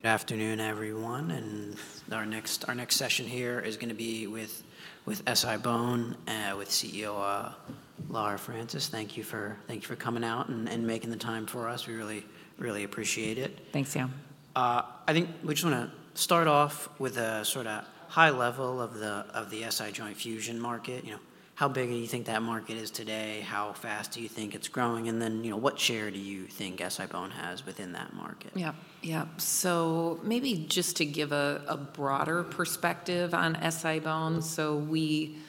Good afternoon, everyone, and our next session here is going to be with SI-BONE with CEO Laura Francis. Thank you for coming out and making the time for us. We really appreciate it. Thanks, Sam. I think we just wanna start off with a sorta high level of the SI joint fusion market. You know, how big do you think that market is today? How fast do you think it's growing? And then, you know, what share do you think SI-BONE has within that market? Yep. Yep. So maybe just to give a broader perspective on SI-BONE, so we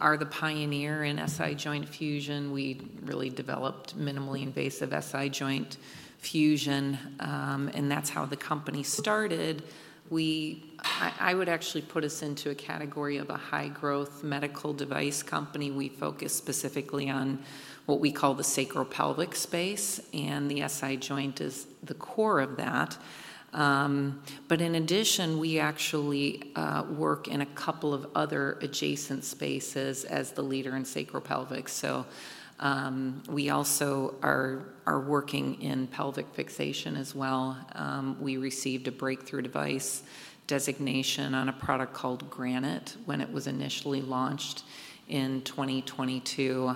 are the pioneer in SI joint fusion. We really developed minimally invasive SI joint fusion, and that's how the company started. I would actually put us into a category of a high-growth medical device company. We focus specifically on what we call the sacropelvic space, and the SI joint is the core of that. But in addition, we actually work in a couple of other adjacent spaces as the leader in sacropelvic. So, we also are working in pelvic fixation as well. We received a breakthrough device designation on a product called Granite when it was initially launched in 2022.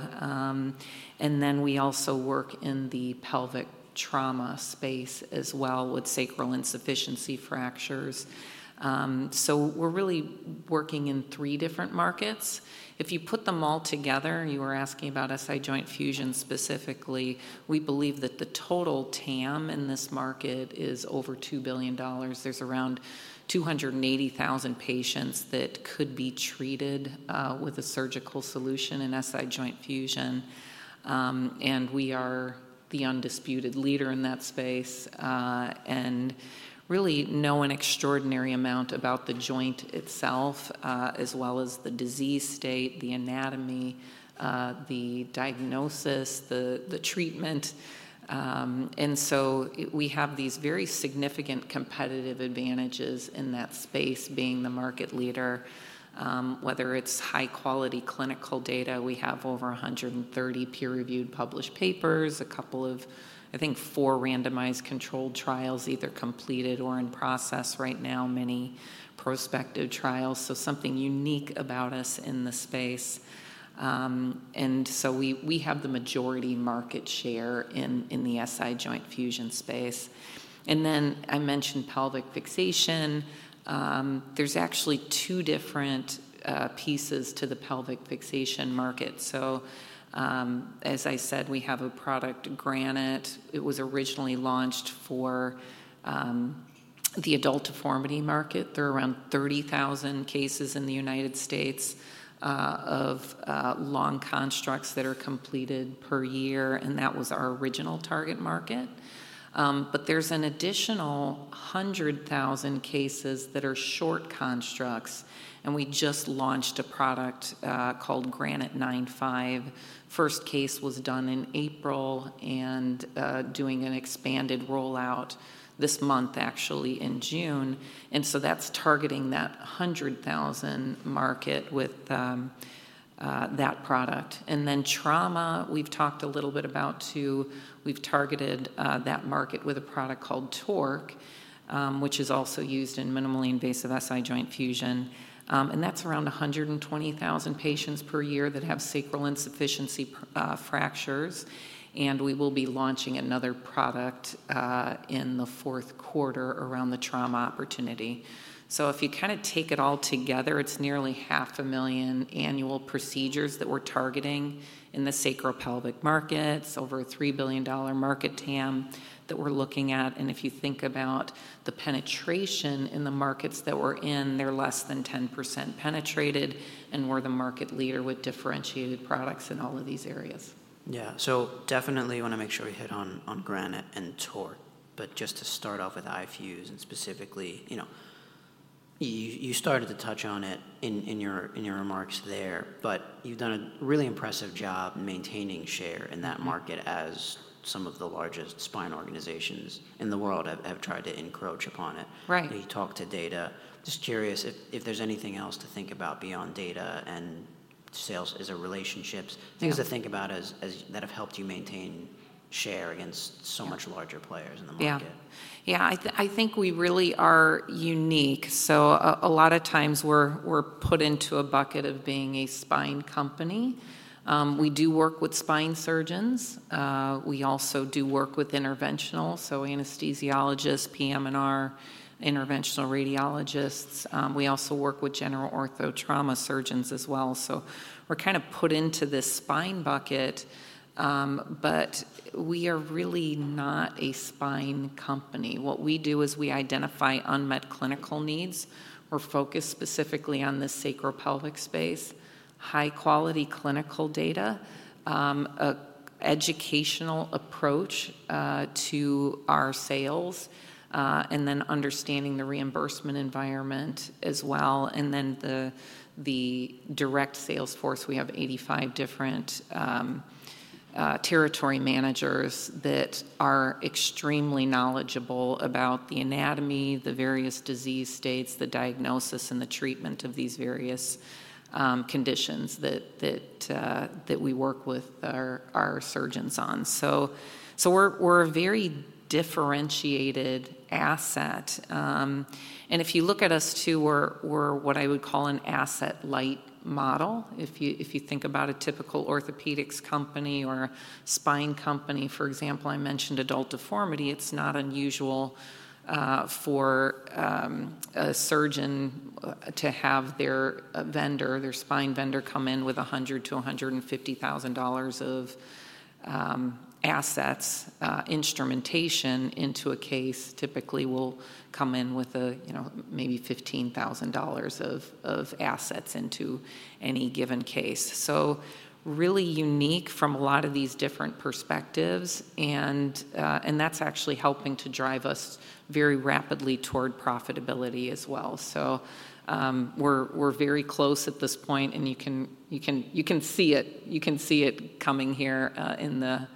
And then we also work in the pelvic trauma space as well, with sacral insufficiency fractures. So we're really working in three different markets. If you put them all together, you were asking about SI joint fusion specifically, we believe that the total TAM in this market is over $2 billion. There's around 280,000 patients that could be treated with a surgical solution in SI joint fusion. And we are the undisputed leader in that space, and really know an extraordinary amount about the joint itself, as well as the disease state, the anatomy, the diagnosis, the treatment. And so we have these very significant competitive advantages in that space, being the market leader. Whether it's high-quality clinical data, we have over 130 peer-reviewed published papers, a couple of, I think, 4 randomized controlled trials, either completed or in process right now, many prospective trials. So something unique about us in the space. And so we have the majority market share in the SI joint fusion space. And then I mentioned pelvic fixation. There's actually two different pieces to the pelvic fixation market. So as I said, we have a product, Granite. It was originally launched for the adult deformity market. There are around 30,000 cases in the United States of long constructs that are completed per year, and that was our original target market. But there's an additional 100,000 cases that are short constructs, and we just launched a product called Granite 9.5. First case was done in April and doing an expanded rollout this month, actually in June. And so that's targeting that 100,000 market with that product. And then trauma, we've talked a little bit about too. We've targeted that market with a product called TORQ, which is also used in minimally invasive SI joint fusion. And that's around 120,000 patients per year that have sacral insufficiency fractures, and we will be launching another product in the fourth quarter around the trauma opportunity. So if you kinda take it all together, it's nearly 500,000 annual procedures that we're targeting in the sacral pelvic market. It's over a $3 billion market TAM that we're looking at, and if you think about the penetration in the markets that we're in, they're less than 10% penetrated, and we're the market leader with differentiated products in all of these areas. Yeah. So definitely wanna make sure we hit on Granite and TORQ. But just to start off with iFuse and specifically, you know, you started to touch on it in your remarks there, but you've done a really impressive job maintaining share in that market as some of the largest spine organizations in the world have tried to encroach upon it. Right. We talked to data. Just curious if there's anything else to think about beyond data and sales as a relationships- Yeah... Things to think about as that have helped you maintain share against so much larger players in the market? Yeah. Yeah, I think we really are unique. So a lot of times we're put into a bucket of being a spine company. We do work with spine surgeons. We also do work with interventional, so anesthesiologists, PM&R, interventional radiologists. We also work with general ortho trauma surgeons as well. So we're kind of put into this spine bucket, but we are really not a spine company. What we do is we identify unmet clinical needs. We're focused specifically on the sacral pelvic space, high-quality clinical data, a educational approach to our sales, and then understanding the reimbursement environment as well, and then the direct sales force. We have 85 different... Territory managers that are extremely knowledgeable about the anatomy, the various disease states, the diagnosis, and the treatment of these various conditions that we work with our surgeons on. So we're a very differentiated asset. And if you look at us too, we're what I would call an asset-light model. If you think about a typical orthopedics company or spine company, for example, I mentioned adult deformity, it's not unusual for a surgeon to have their vendor, their spine vendor, come in with $100,000-$150,000 of assets, instrumentation into a case. Typically, we'll come in with, you know, maybe $15,000 of assets into any given case. So really unique from a lot of these different perspectives, and that's actually helping to drive us very rapidly toward profitability as well. So, we're very close at this point, and you can see it, you can see it coming here, in the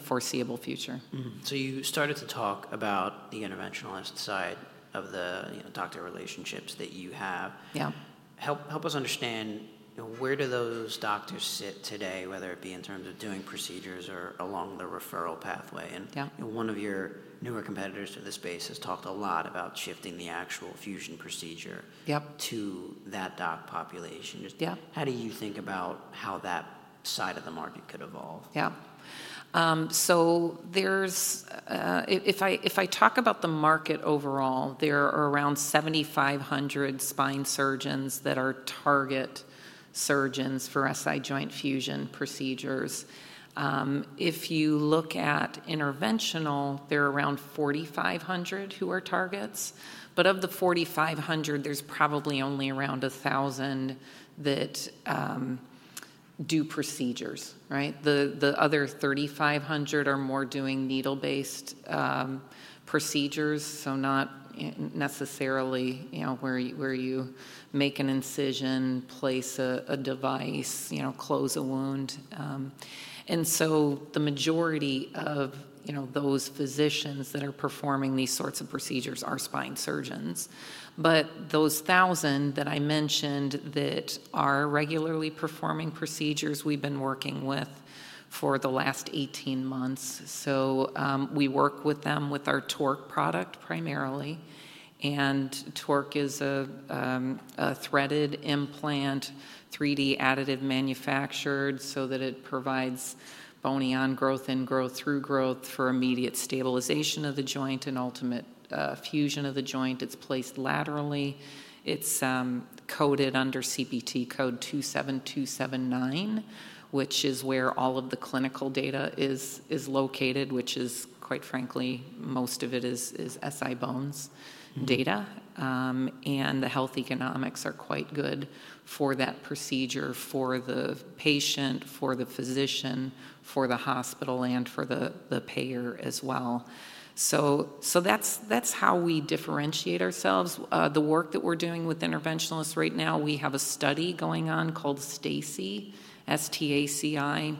foreseeable future. Mm-hmm. So you started to talk about the interventionalist side of the, you know, doctor relationships that you have. Yeah. Help, help us understand, you know, where do those doctors sit today, whether it be in terms of doing procedures or along the referral pathway? Yeah. One of your newer competitors to this space has talked a lot about shifting the actual fusion procedure- Yep to that doc population. Yeah. How do you think about how that side of the market could evolve? Yeah. So, if I talk about the market overall, there are around 7,500 spine surgeons that are target surgeons for SI joint fusion procedures. If you look at interventional, there are around 4,500 who are targets. But of the 4,500, there's probably only around 1,000 that do procedures, right? The other 3,500 are more doing needle-based procedures, so not necessarily, you know, where you make an incision, place a device, you know, close a wound. And so the majority of, you know, those physicians that are performing these sorts of procedures are spine surgeons. But those 1,000 that I mentioned that are regularly performing procedures, we've been working with for the last 18 months. So, we work with them with our TORQ product primarily, and TORQ is a threaded implant, 3D additive manufactured, so that it provides bony ongrowth, ingrowth, through growth for immediate stabilization of the joint and ultimate fusion of the joint. It's placed laterally. It's coded under CPT code 27279, which is where all of the clinical data is located, which is, quite frankly, most of it is SI-BONE's- Mm-hmm... data. And the health economics are quite good for that procedure, for the patient, for the physician, for the hospital, and for the, the payer as well. So, so that's, that's how we differentiate ourselves. The work that we're doing with interventionalists right now, we have a study going on called STACI, S-T-A-C-I,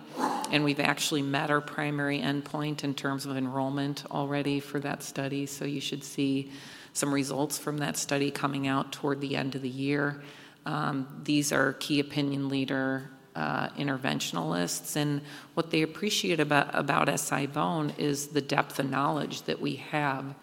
and we've actually met our primary endpoint in terms of enrollment already for that study. So you should see some results from that study coming out toward the end of the year. These are key opinion leader interventionalists, and what they appreciate about, about SI-BONE is the depth of knowledge that we have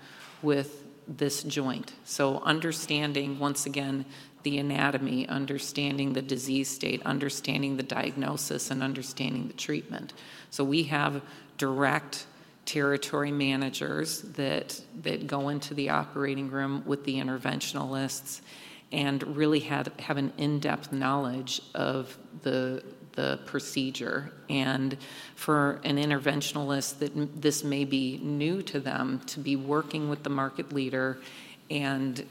with this joint. So understanding, once again, the anatomy, understanding the disease state, understanding the diagnosis, and understanding the treatment. So we have direct territory managers that go into the operating room with the interventionalists and really have an in-depth knowledge of the procedure. And for an interventionalist, this may be new to them, to be working with the market leader and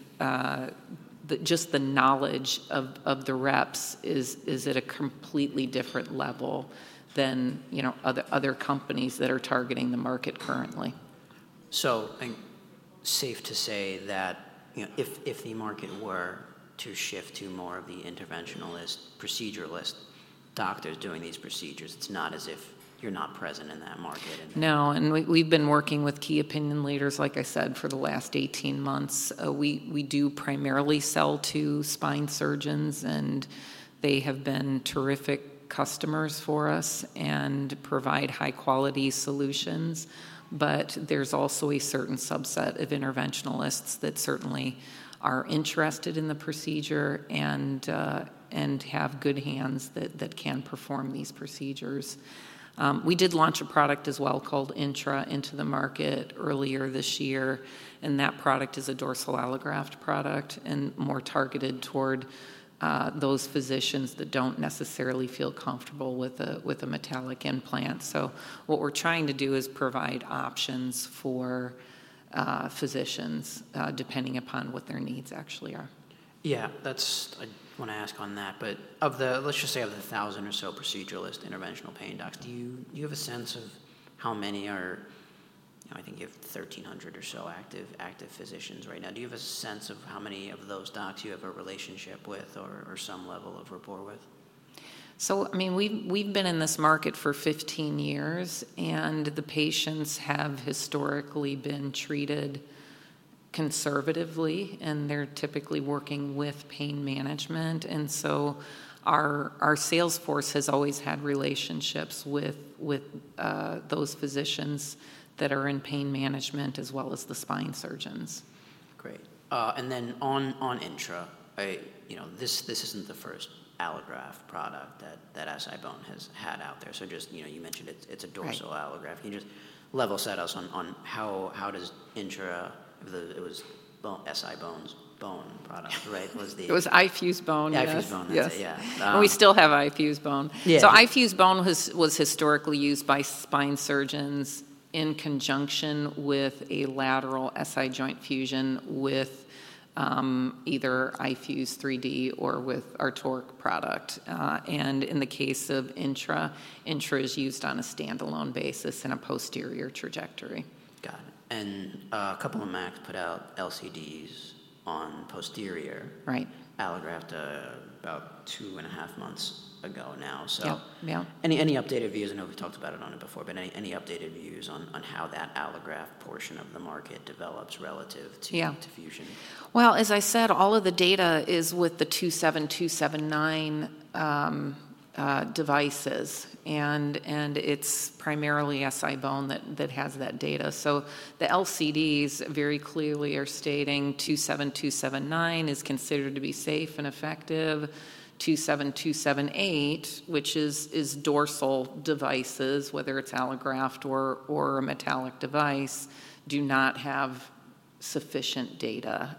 just the knowledge of the reps is at a completely different level than, you know, other companies that are targeting the market currently. I'm safe to say that, you know, if the market were to shift to more of the interventionalist, proceduralist doctors doing these procedures, it's not as if you're not present in that market and- No, and we, we've been working with key opinion leaders, like I said, for the last 18 months. We do primarily sell to spine surgeons, and they have been terrific customers for us and provide high-quality solutions. But there's also a certain subset of interventionalists that certainly are interested in the procedure and have good hands that can perform these procedures. We did launch a product as well, called Intra, into the market earlier this year, and that product is a dorsal allograft product and more targeted toward those physicians that don't necessarily feel comfortable with a metallic implant. So what we're trying to do is provide options for physicians depending upon what their needs actually are. Yeah, that's... I want to ask on that, but of the—let's just say, of the 1,000 or so proceduralist interventional pain docs, do you, do you have a sense of how many... You know, I think you have 1,300 or so active, active physicians right now. Do you have a sense of how many of those docs you have a relationship with or, or some level of rapport with? So, I mean, we've been in this market for 15 years, and the patients have historically been treated conservatively, and they're typically working with pain management. And so our sales force has always had relationships with those physicians that are in pain management as well as the spine surgeons. Great. And then on Intra, you know, this isn't the first allograft product that SI-BONE has had out there. So just, you know, you mentioned it, it's a- Right -dorsal allograft. Can you just level set us on how does Intra— It was Bone— SI-BONE's bone product, right? It was the- It was iFuse Bone, yes. iFuse Bone. Yes. Yeah. Um- We still have iFuse Bone. Yeah. So iFuse Bone was historically used by spine surgeons in conjunction with a lateral SI joint fusion with either iFuse 3D or with our TORQ product. And in the case of Intra, Intra is used on a standalone basis in a posterior trajectory. Got it. And, a couple of MACs put out LCDs on posterior- Right -allograft, about two and a half months ago now, so. Yep. Yeah. Any updated views? I know we've talked about it before, but any updated views on how that allograft portion of the market develops relative to- Yeah -to fusion? Well, as I said, all of the data is with the 27279 devices, and it's primarily SI-BONE that has that data. So the LCDs very clearly are stating 27279 is considered to be safe and effective. 27278, which is dorsal devices, whether it's allograft or a metallic device, do not have sufficient data.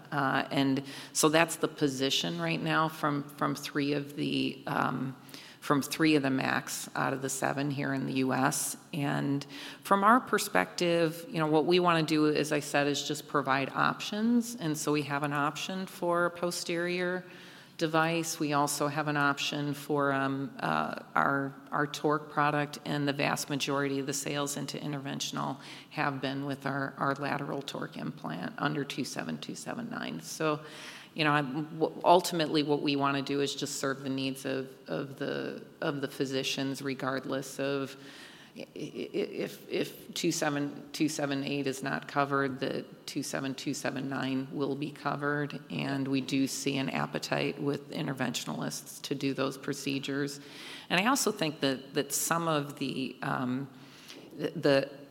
And so that's the position right now from three of the MACs out of the seven here in the US. And from our perspective, you know, what we wanna do, as I said, is just provide options, and so we have an option for posterior device. We also have an option for our TORQproduct, and the vast majority of the sales into interventional have been with our lateral Torque implant under 27279. So, you know, ultimately, what we wanna do is just serve the needs of the physicians, regardless of if 27278 is not covered, the 27279 will be covered, and we do see an appetite with interventionalists to do those procedures. And I also think that some of the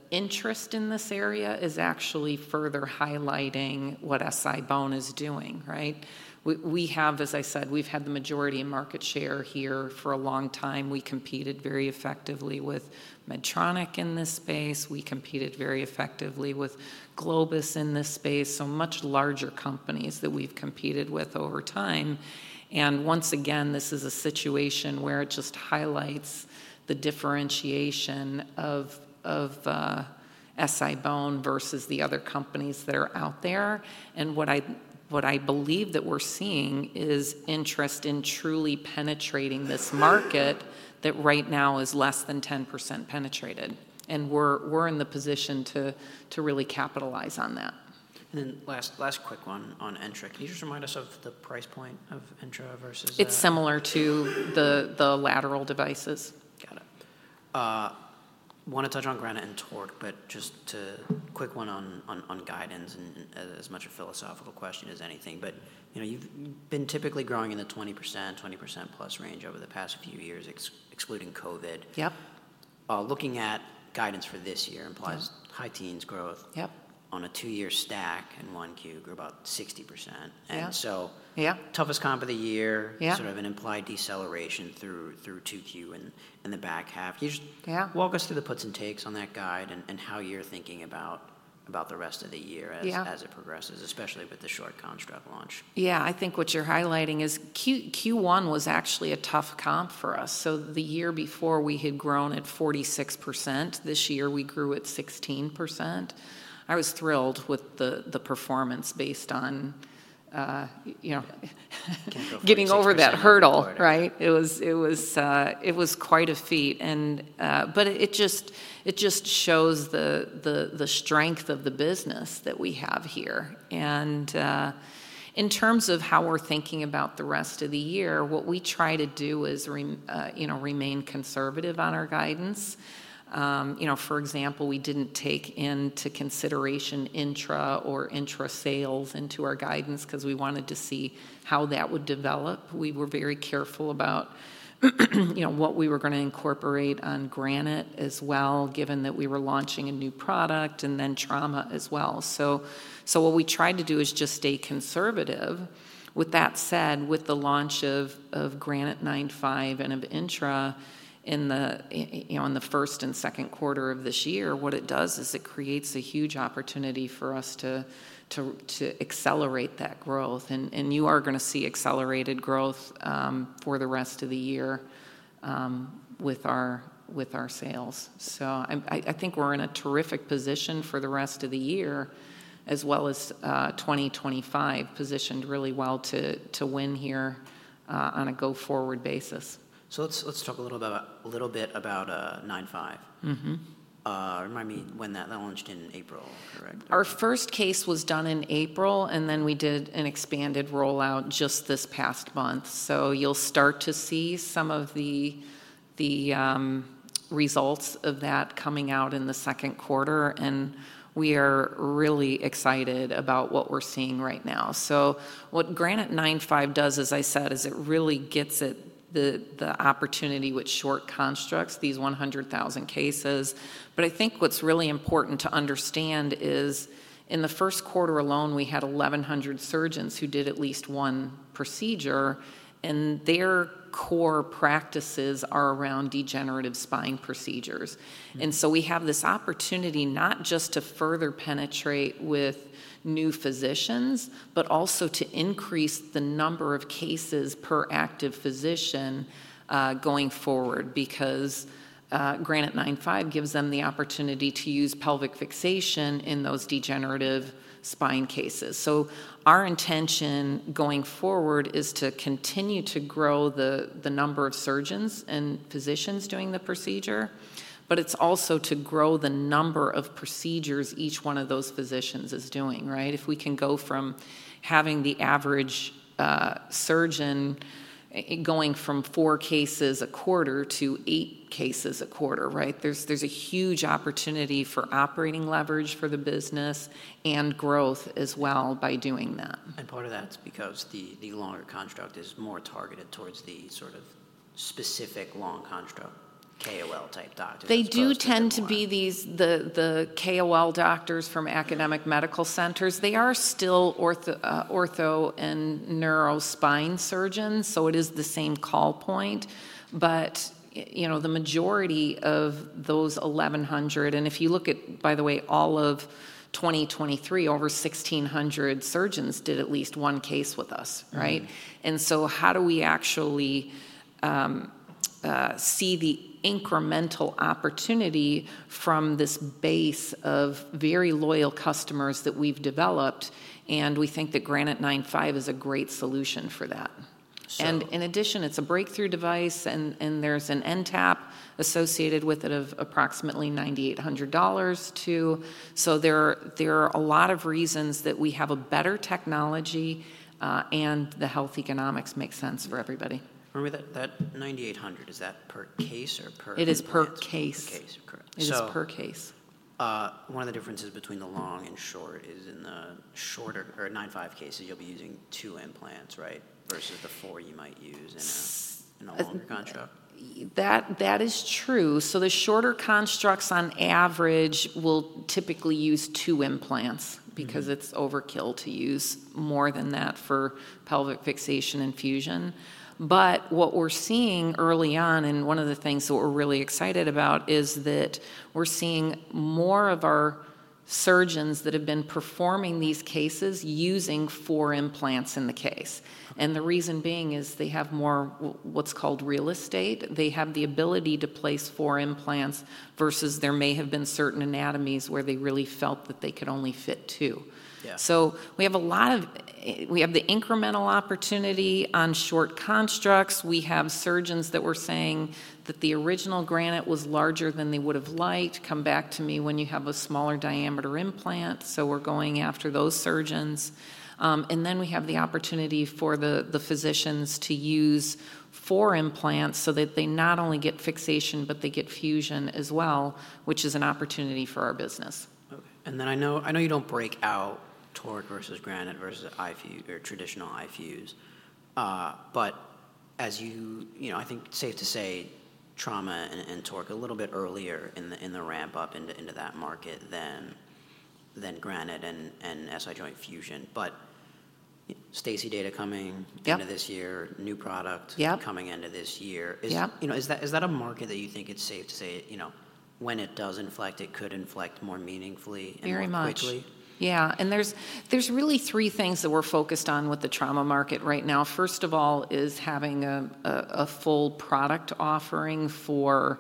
interest in this area is actually further highlighting what SI-BONE is doing, right? We have, as I said, we've had the majority of market share here for a long time. We competed very effectively with Medtronic in this space. We competed very effectively with Globus in this space, so much larger companies that we've competed with over time. Once again, this is a situation where it just highlights the differentiation of SI-BONE versus the other companies that are out there. What I believe that we're seeing is interest in truly penetrating this market that right now is less than 10% penetrated, and we're in the position to really capitalize on that. Then last, last quick one on Intra. Can you just remind us of the price point of Intra versus It's similar to the lateral devices. Got it. Wanna touch on Granite and TORQ, but just a quick one on guidance and as much a philosophical question as anything. But, you know, you've been typically growing in the 20%, 20%+ range over the past few years, excluding COVID. Yep. Looking at guidance for this year implies- Mm high-teens growth Yep -on a two-year stack, and one Q grew about 60%. Yeah. And so- Yeah... toughest comp of the year. Yeah. Sort of an implied deceleration through 2Q in the back half. Can you just- Yeah Walk us through the puts and takes on that guide and how you're thinking about the rest of the year as Yeah as it progresses, especially with the short construct launch? Yeah, I think what you're highlighting is Q1 was actually a tough comp for us. So the year before, we had grown at 46%. This year, we grew at 16%. I was thrilled with the performance based on, you know, - Can't go from 16- Getting over that hurdle, right? It was quite a feat, and... But it just shows the strength of the business that we have here. And in terms of how we're thinking about the rest of the year, what we try to do is remain conservative on our guidance. You know, for example, we didn't take into consideration Intra or Intra sales into our guidance 'cause we wanted to see how that would develop. We were very careful about, you know, what we were gonna incorporate on Granite as well, given that we were launching a new product, and then Trauma as well. So what we tried to do is just stay conservative. With that said, with the launch of Granite 9.5 and of Intra, you know, on the first and second quarter of this year, what it does is it creates a huge opportunity for us to accelerate that growth. And you are gonna see accelerated growth for the rest of the year with our sales. So I think we're in a terrific position for the rest of the year, as well as 2025, positioned really well to win here on a go-forward basis. So let's talk a little bit about 9.5. Mm-hmm. Remind me when that... that launched in April, correct? Our first case was done in April, and then we did an expanded rollout just this past month. So you'll start to see some of the results of that coming out in the second quarter, and we are really excited about what we're seeing right now. So what Granite 9.5 does, as I said, is it really gets at the opportunity with short constructs, these 100,000 cases. But I think what's really important to understand is, in the first quarter alone, we had 1,100 surgeons who did at least one procedure, and their core practices are around degenerative spine procedures. We have this opportunity not just to further penetrate with new physicians, but also to increase the number of cases per active physician going forward, because Granite 9.5 gives them the opportunity to use pelvic fixation in those degenerative spine cases. Our intention going forward is to continue to grow the number of surgeons and physicians doing the procedure, but it's also to grow the number of procedures each one of those physicians is doing, right? If we can go from having the average surgeon going from 4 cases a quarter to 8 cases a quarter, right? There's a huge opportunity for operating leverage for the business and growth as well by doing that. And part of that's because the longer construct is more targeted towards the sort of specific long construct, KOL-type doctors- They do- As opposed to the more- Tend to be these KOL doctors from academic medical centers. They are still ortho, ortho and neuro spine surgeons, so it is the same call point. But you know, the majority of those 1,100, and if you look at, by the way, all of 2023, over 1,600 surgeons did at least one case with us, right? And so how do we actually see the incremental opportunity from this base of very loyal customers that we've developed? And we think that Granite 9.5 is a great solution for that. So- In addition, it's a breakthrough device, and there's an NTAP associated with it of approximately $9,800 too. So there are a lot of reasons that we have a better technology, and the health economics make sense for everybody. Remember that, that 9,800, is that per case or per- It is per case. Per case. Correct. It is per case. One of the differences between the long and short is in the shorter or 9.5 cases, you'll be using 2 implants, right? Versus the 4 you might use in a longer construct. That is true. So the shorter constructs, on average, will typically use two implants- Mm-hmm... because it's overkill to use more than that for pelvic fixation and fusion. But what we're seeing early on, and one of the things that we're really excited about, is that we're seeing more of our surgeons that have been performing these cases using 4 implants in the case. Mm-hmm. The reason being is they have more what's called real estate. They have the ability to place four implants, versus there may have been certain anatomies where they really felt that they could only fit two. Yeah. So we have a lot of. We have the incremental opportunity on short constructs. We have surgeons that were saying that the original Granite was larger than they would have liked. "Come back to me when you have a smaller diameter implant." So we're going after those surgeons. And then we have the opportunity for the physicians to use four implants so that they not only get fixation, but they get fusion as well, which is an opportunity for our business. Okay. And then I know, I know you don't break out TORQ versus Granite versus iFuse or traditional iFuses. But as you—you know, I think it's safe to say trauma and, and TORQ a little bit earlier in the, in the ramp-up into, into that market than, than Granite and, and SI Joint Fusion. But STACI data coming- Yep into this year. New product Yep... coming into this year. Yep. You know, is that a market that you think it's safe to say, you know, when it does inflect, it could inflect more meaningfully- Very much -and quickly? Yeah. And there's really three things that we're focused on with the trauma market right now. First of all is having a full product offering for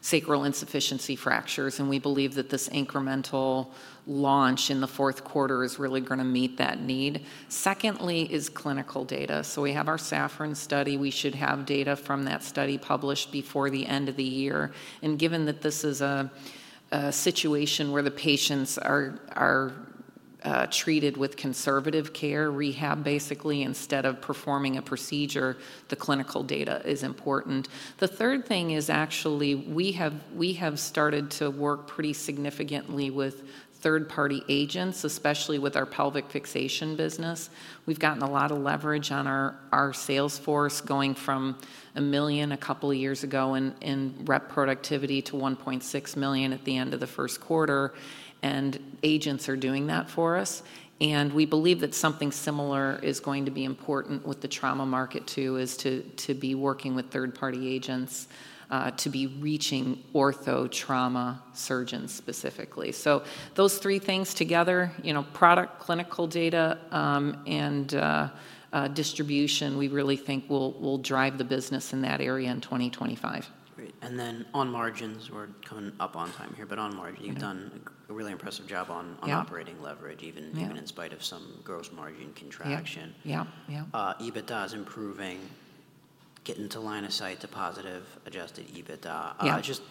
sacral insufficiency fractures, and we believe that this incremental launch in the fourth quarter is really gonna meet that need. Secondly is clinical data. So we have our SAFFRON study. We should have data from that study published before the end of the year. And given that this is a situation where the patients are treated with conservative care, rehab, basically, instead of performing a procedure, the clinical data is important. The third thing is actually, we have started to work pretty significantly with third-party agents, especially with our pelvic fixation business. We've gotten a lot of leverage on our sales force, going from $1 million a couple of years ago in rep productivity to $1.6 million at the end of the first quarter, and agents are doing that for us. We believe that something similar is going to be important with the trauma market, too, to be working with third-party agents to be reaching ortho trauma surgeons specifically. So those three things together, you know, product, clinical data, and distribution, we really think will drive the business in that area in 2025. Great. And then on margins, we're coming up on time here, but on margins- Okay... you've done a really impressive job on- Yep... on operating leverage, even- Yep... even in spite of some gross margin contraction. Yep, yep, yep. EBITDA is improving, getting to line of sight to positive Adjusted EBITDA. Yep. Just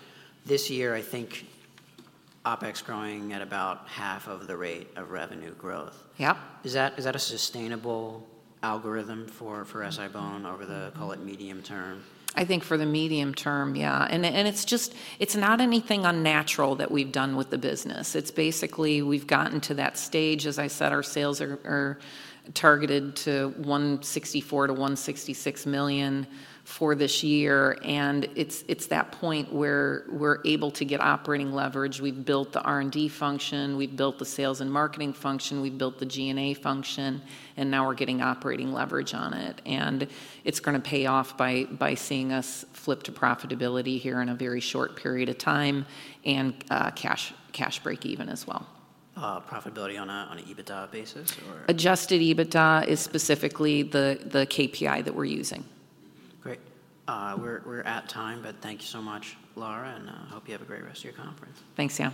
this year, I think OpEx growing at about half of the rate of revenue growth. Yep. Is that a sustainable algorithm for SI-BONE over the, call it, medium term? I think for the medium term, yeah. And it's just. It's not anything unnatural that we've done with the business. It's basically we've gotten to that stage. As I said, our sales are targeted to $164 million-$166 million for this year, and it's that point where we're able to get operating leverage. We've built the R&D function, we've built the sales and marketing function, we've built the G&A function, and now we're getting operating leverage on it. And it's gonna pay off by seeing us flip to profitability here in a very short period of time and cash break-even as well. Profitability on a EBITDA basis, or? Adjusted EBITDA is specifically the KPI that we're using. Great. We're at time, but thank you so much, Laura, and hope you have a great rest of your conference. Thanks, Sam.